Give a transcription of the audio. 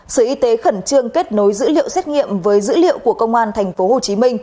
sở y tế khẩn trương kết nối dữ liệu xét nghiệm với dữ liệu của công an tp hcm